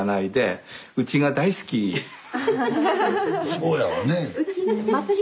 そうやわね。